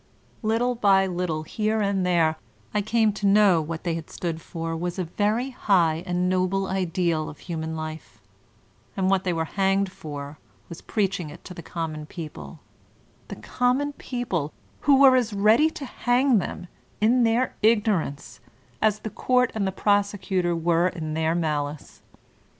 Little by little, here and there, I came to know that what they had stood for was a very high and noble ideal of human life, and what they were hanged for was preaching it to the common people, — the common people who were as ready to hang them, in their ignorance, as the court and the prosecutor were m their malice